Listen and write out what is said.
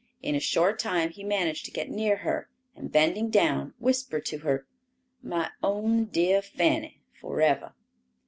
In a short time he managed to get near her, and bending down, whispered to her, "My own dear Fanny, forever."